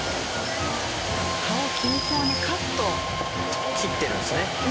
葉を均等にカット。切ってるんですねさらに。